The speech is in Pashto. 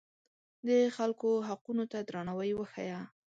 د خلکو حقونو ته درناوی وښیه.